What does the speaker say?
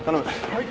はい。